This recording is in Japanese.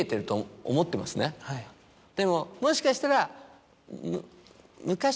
でももしかしたら。